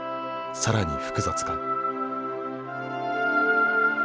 更に複雑化。